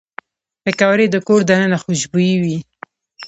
پکورې د کور دننه خوشبويي وي